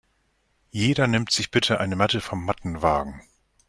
Jeder nimmt sich bitte eine Matte vom Mattenwagen.